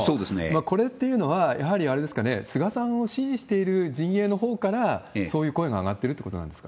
これっていうのは、やはりあれですかね、菅さんを支持している陣営のほうから、そういう声が上がってるってことなんですか？